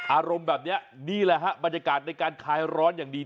อารมณ์แบบนี้นี่แหละฮะบรรยากาศในการคลายร้อนอย่างดี